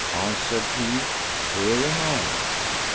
Answered he, "Here am I!"